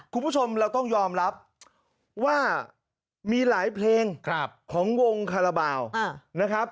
คุณผู้ชมเราต้องยอมรับว่ามีหลายเพลงของวงคาราบาลนะครับ